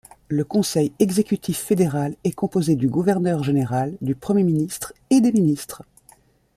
Le Conseil exécutif fédéral est composé du Gouverneur-général, du Premier ministre et des ministres.